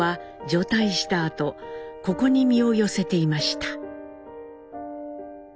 あとここに身を寄せていました。